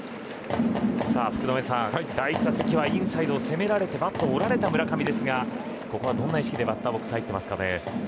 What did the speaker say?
福留さん、第１打席はインサイドを攻められてバットを折られた村上ですがここはどんな意識でバッターボックスに入っていますか。